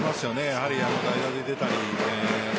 やはり代打で出たり。